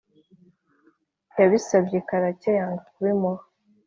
yabisabye karake yanga kubimuha